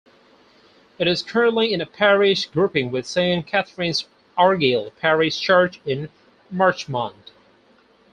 It is currently in a Parish Grouping with Saint Catherine's-Argyle Parish Church in Marchmont.